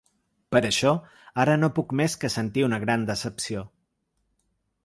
Per això, ara no puc més que sentir una gran decepció.